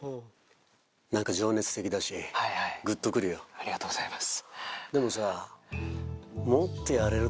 ありがとうございます。